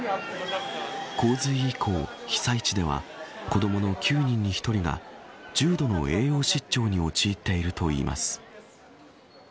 洪水以降、被災地では子どもの９人に１人が重度の栄養失調に陥っているといいます。